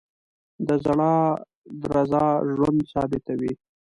د زړه درزا ژوند ثابتوي.